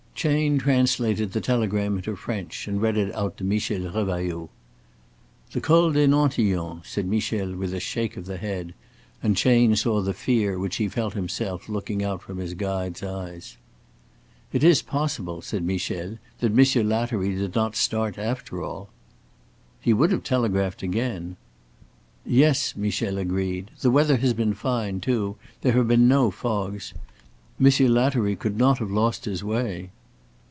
Chayne translated the telegram into French and read it out to Michel Revailloud. "The Col des Nantillons," said Michel, with a shake of the head, and Chayne saw the fear which he felt himself looking out from his guide's eyes. "It is possible," said Michel, "that Monsieur Lattery did not start after all." "He would have telegraphed again." "Yes," Michel agreed. "The weather has been fine too. There have been no fogs. Monsieur Lattery could not have lost his way."